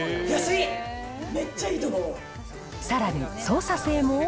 さらに、操作性も。